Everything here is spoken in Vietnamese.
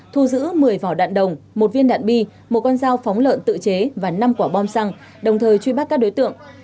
thu giữ một mươi vỏ đạn đồng một viên đạn bi một con dao phóng lợn tự chế và năm quả bom xăng đồng thời truy bắt các đối tượng